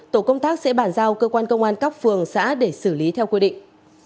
tổ công tác sẽ bản giao cơ quan công an các phường xã để xử lý theo quy định